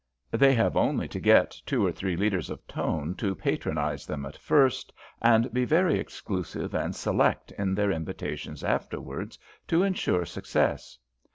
They have only to get two or three leaders of ton to patronise them at first, and be very exclusive and select in their invitations afterwards, to insure success.